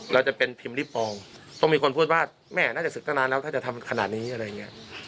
เราจะเป็นพิมพ์ริปองต้องมีคนพูดว่าแม่น่าจะศึกตั้งนานแล้วถ้าจะทำขนาดนี้อะไรอย่างนี้